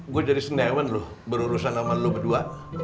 gue jadi senewan lo berurusan sama lo berdua